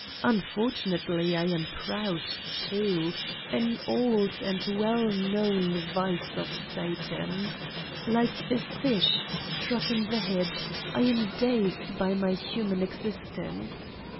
Unfortunately, I am proud, too, an old and well known vice of Satan ! Like a fish struck in the head, I am dazed by my human existence.